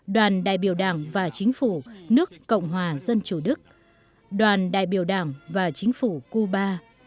đoàn đại biểu đảng và chính phủ nước cộng hòa dân chủ đức đoàn đại biểu đảng và chính phủ cuba